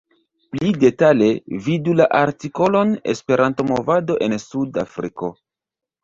Pli detale vidu la artikolon "Esperanto-movado en Sud-Afriko".